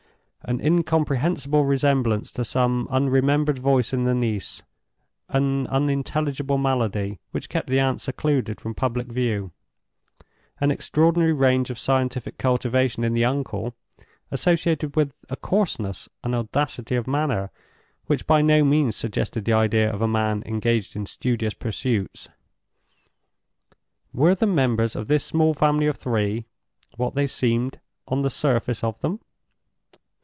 An incomprehensible resemblance to some unremembered voice in the niece; an unintelligible malady which kept the aunt secluded from public view; an extraordinary range of scientific cultivation in the uncle, associated with a coarseness and audacity of manner which by no means suggested the idea of a man engaged in studious pursuits—were the members of this small family of three what they seemed on the surface of them?